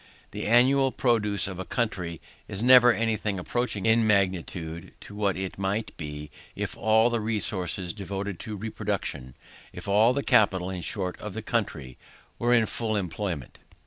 The annual produce of a country is never any thing approaching in magnitude to what it might be if all the resources devoted to reproduction, if all the capital, in short, of the country, were in full employment.